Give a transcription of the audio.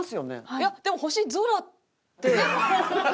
いやでも「星空」って。